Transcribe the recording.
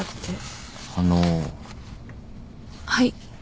はい。